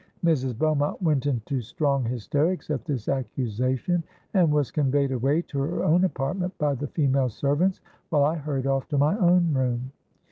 Mrs. Beaumont went into strong hysterics at this accusation, and was conveyed away to her own apartment by the female servants, while I hurried off to my own room.